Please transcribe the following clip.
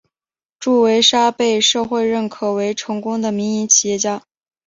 祝维沙被社会认可为成功的民营企业家。